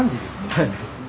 はい。